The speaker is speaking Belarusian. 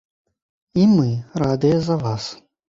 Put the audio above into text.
І мы радыя за вас.